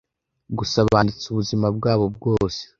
gusa abanditsi ubuzima bwabo bwose